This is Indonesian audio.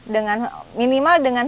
dengan minimal dengan